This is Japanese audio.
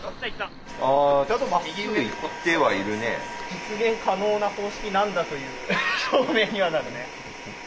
実現可能な方式なんだという証明にはなるね。